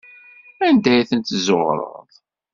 Anda ay tent-tezzuɣreḍ?